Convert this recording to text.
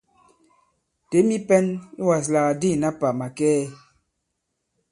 Těm i pɛ̄n i wàslàk di ìna pà màkɛɛ!